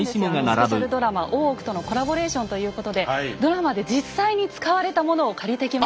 スペシャルドラマ「大奥」とのコラボレーションということでドラマで実際に使われたものを借りてきました。